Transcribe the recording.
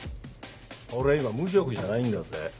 俺は今無職じゃないんだぜ。